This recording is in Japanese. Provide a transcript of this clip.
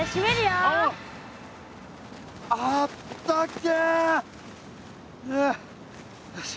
あったけえよし。